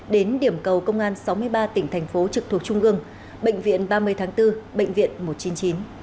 đến điểm cầu công an sáu mươi ba tỉnh thành phố trực thuộc trung ương bệnh viện ba mươi tháng bốn bệnh viện một trăm chín mươi chín